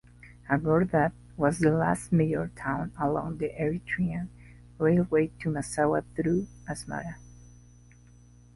Agordat was the last major town along the Eritrean Railway to Massawa through Asmara.